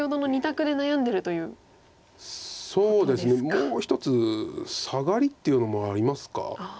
もう１つサガリっていうのもありますか？